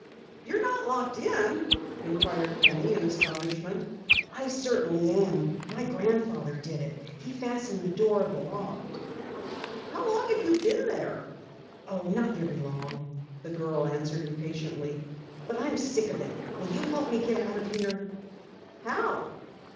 "You're not locked in?" inquired Penny in astonishment. "I certainly am! My grandfather did it. He fastened the door of the loft." "How long have you been there?" "Oh, not very long," the girl answered impatiently, "but I'm sick of it! Will you help me out of here?" "How?"